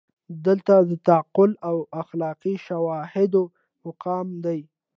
دلته د تعقل او اخلاقي شهود مقام دی.